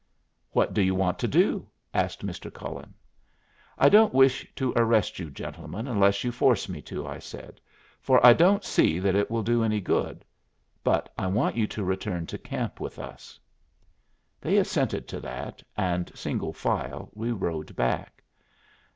"What do you want to do?" asked Mr. Cullen. "I don't wish to arrest you gentlemen unless you force me to," I said, "for I don't see that it will do any good. But I want you to return to camp with us." They assented to that, and, single file, we rode back.